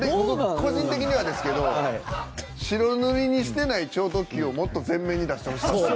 個人的にはですけど白塗りにしてない超特急をもっと前面に出してほしかった。